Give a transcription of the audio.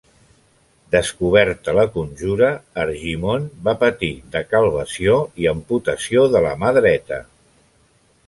Descoberta la conjura Argimon va patir decalvació i amputació de la mà dreta.